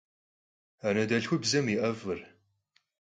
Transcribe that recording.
Anedelhxubzem yi 'ef'ır